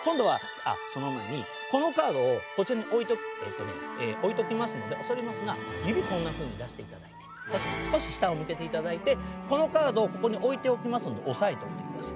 あっその前にこのカードをこちらに置いときますので恐れ入りますが指こんなふうに出していただいて少し下を向けていただいてこのカードをここに置いておきますので押さえといてください。